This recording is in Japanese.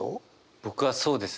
僕はそうですね。